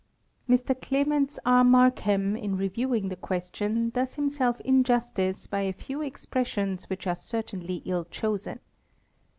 Mr Clements R. Markham in reviewing the question does himself injustice by a few expressions which are certainly ill chosen.